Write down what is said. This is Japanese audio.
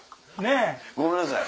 ごめんなさい。